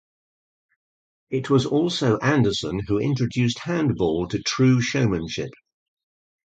It was also Andersen who introduced handball to true showmanship.